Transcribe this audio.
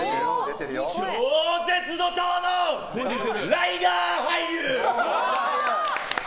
超絶怒涛のライダー俳優！